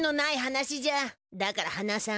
だから話さん。